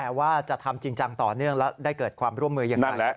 แม้ว่าจะทำจริงจังต่อเนื่องแล้วได้เกิดความร่วมเมืองอย่างใหม่